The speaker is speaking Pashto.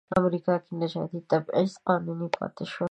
امریکا کې نژادي تبعیض قانوني پاتې شو.